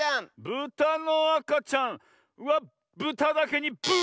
ブタのあかちゃんはブタだけにブーブー！